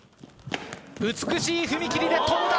美しい踏み切りで跳んだ。